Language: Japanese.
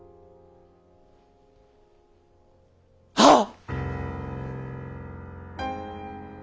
はっ！